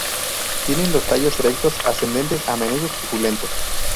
Tienen los tallos erectos, ascendentes, a menudo suculentos.